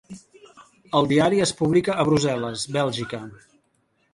El diari es publica a Brussel·les, Bèlgica.